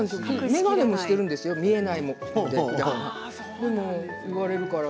眼鏡もしているんですよ、見えないから。